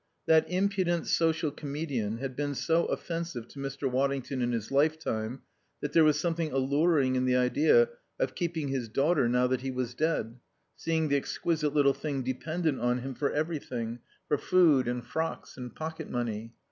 That impudent social comedian had been so offensive to Mr. Waddington in his life time that there was something alluring in the idea of keeping his daughter now that he was dead, seeing the exquisite little thing dependent on him for everything, for food and frocks and pocket money.